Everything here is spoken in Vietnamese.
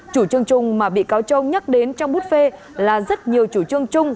chủ trương chung mà bị cáo châu nhắc đến trong bút phê là rất nhiều chủ trương chung